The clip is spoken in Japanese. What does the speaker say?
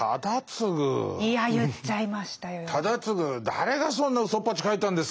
「誰がそんなうそっぱち書いたんですか」